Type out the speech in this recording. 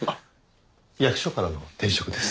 役所からの転職です。